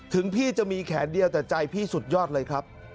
พี่จะมีแขนเดียวแต่ใจพี่สุดยอดเลยครับ